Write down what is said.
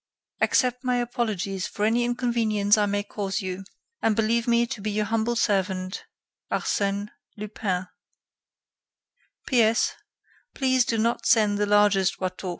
"Accept my apologies for any inconvenience I may cause you, and believe me to be your humble servant, "Arsène Lupin." "P. S. Please do not send the largest Watteau.